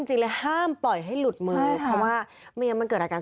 หรือว่าเด็กการรถจะมีความระมัดระวังดีครับ